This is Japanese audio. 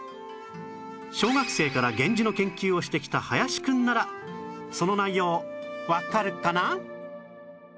小学生から源氏の研究をしてきた林くんならその内容わかるかな？